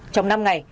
trong năm ngày